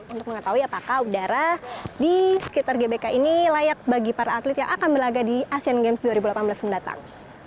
untuk mengetahui apakah udara di sekitar gbk ini layak bagi para atlet yang akan berlagak di asean games dua ribu delapan belas mendatang